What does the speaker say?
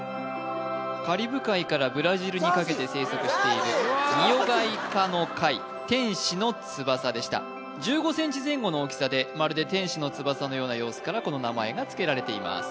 カリブ海からブラジルにかけて生息しているニオガイ科の貝テンシノツバサでした１５ｃｍ前後の大きさでまるで天使の翼のような様子からこの名前がつけられています